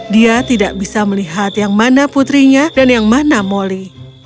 dia tidak bisa melihat yang mana putrinya dan yang mana moli